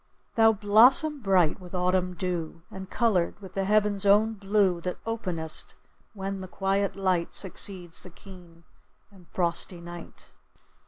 Thou blossom bright with autumn dew, And coloured with the heaven's own blue, That openest when the quiet light Succeeds the keen and frosty night.